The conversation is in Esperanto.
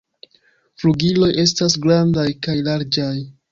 Flugiloj estas grandaj kaj larĝaj.